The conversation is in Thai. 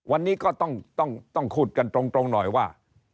วันนี้ก็ต้องต้องต้องขูดกันตรงตรงหน่อยว่า